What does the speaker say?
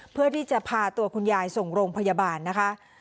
เพื่อที่จะพาตัวคุณยายส่งโรงพยาบาลนะคะ